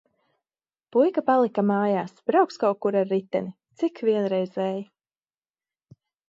Puika palika mājās, brauks kaut kur ar riteni. Cik vienreizēji!